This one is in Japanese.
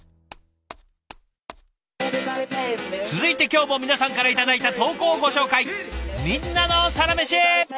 続いて今日も皆さんから頂いた投稿をご紹介。